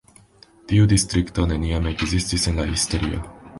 Tiu distrikto neniam ekzistis en la historio.